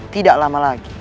tidak lama lagi